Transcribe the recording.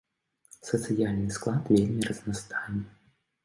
Сацыяльны склад вельмі разнастайны.